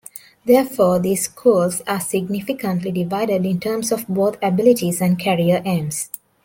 Therefore, these schools are significantly divided in terms of both abilities and career aims.